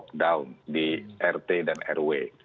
lockdown di rt dan rw